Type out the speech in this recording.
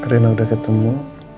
rina udah ketemu